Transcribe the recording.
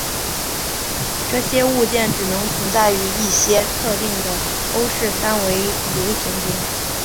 这种物件只能存在于一些特定的欧氏三维流形中。